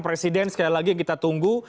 presiden sekali lagi kita tunggu